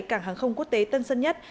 cảng hàng không quốc tế tân sơn nhất